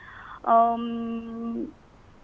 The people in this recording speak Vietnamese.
các cháu đến chết